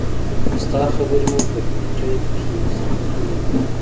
ستا خبرې مو په ټېپ هم کښې ثبت کړې دي.